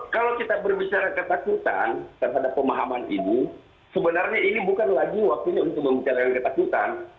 kalau kita berbicara ketakutan terhadap pemahaman ini sebenarnya ini bukan lagi waktunya untuk membicarakan ketakutan